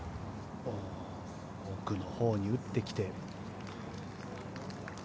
奥のほうに打ってきて。